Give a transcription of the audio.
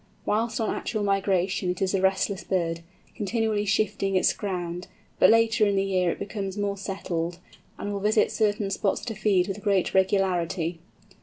Whilst on actual migration it is a restless bird, continually shifting its ground, but later in the year it becomes more settled, and will visit certain spots to feed with great regularity.